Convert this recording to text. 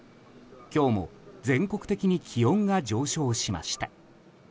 今日も全国的に気温が上昇しました。